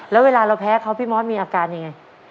แล้วเวลาเราแพ้เขาพี่มอสมีอาการยังไง